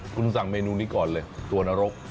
คุณสั่งเมนูนี้ก่อนเลยตัวนรก